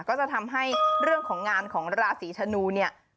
ก็จะทำให้เรื่องของงานของราศีธนูเนี่ย